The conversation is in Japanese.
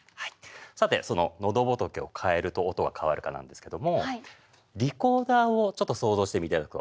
さてそののどぼとけを変えると音が変わるかなんですけどもリコーダーをちょっと想像していただくと。